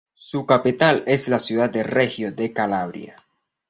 Su capital es la ciudad de Regio de Calabria.